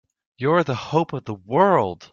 You're the hope of the world!